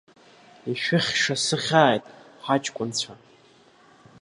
Ишәыхьша сыхьааит, ҳаҷкәынцәа…